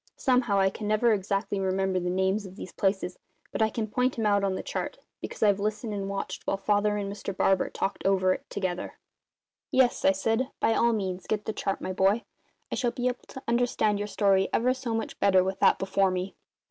Somehow, I never can exactly remember the names of these places, but I can point 'em out on the chart, because I've listened and watched while Father and Mr Barber talked it over together." "Yes," I said, "by all means get the chart, my boy. I shall be able to understand your story ever so much better with that before me."